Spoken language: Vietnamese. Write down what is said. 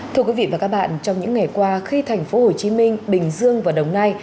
thưa quý vị và các bạn trong những ngày qua khi thành phố hồ chí minh bình dương và đồng nai